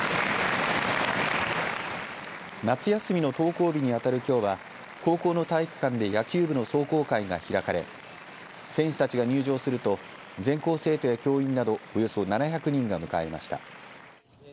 夏休みの登校日に当たるきょうは高校の体育館で野球部の壮行会が開かれ選手たちが入場すると全校生徒や教員などおよそ７００人が迎えました。